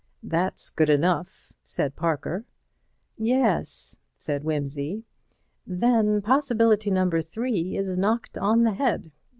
"That's good enough," said Parker. "Yes," said Wimsey. "Then Possibility No. 3 is knocked on the head.